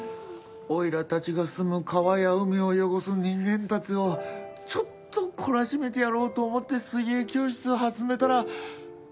おいらたちが住む川や海を汚す人間たちをちょっと懲らしめてやろうと思って水泳教室を始めたら。